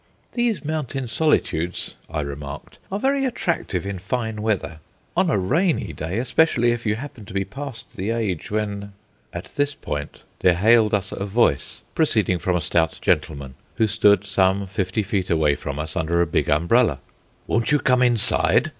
"These mountain solitudes," I remarked, "are very attractive in fine weather. On a rainy day, especially if you happen to be past the age when " At this point there hailed us a voice, proceeding from a stout gentleman, who stood some fifty feet away from us under a big umbrella. "Won't you come inside?"